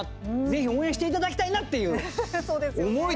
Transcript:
ぜひ応援していただきたいなという思いです。